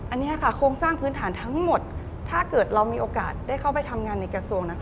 อันนี้ค่ะโครงสร้างพื้นฐานทั้งหมดถ้าเกิดเรามีโอกาสได้เข้าไปทำงานในกระทรวง